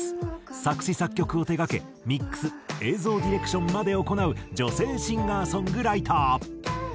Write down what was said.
作詞作曲を手がけミックス映像ディレクションまで行う女性シンガーソングライター。